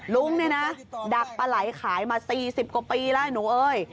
ลุงเนี่ยนะดักปลาไหลขายมา๔๐กว่าปีแล้วหนูเอ้ย